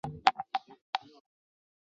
嘉靖十一年壬辰科进士。